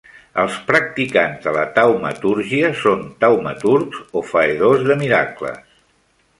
Els practicants de la taumatúrgia són taumaturgs o faedors de miracles.